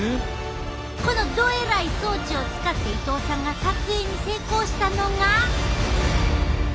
このどえらい装置を使って伊藤さんが撮影に成功したのが。